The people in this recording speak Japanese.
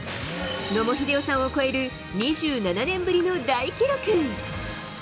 野茂英雄さんを超える２７年ぶりの大記録。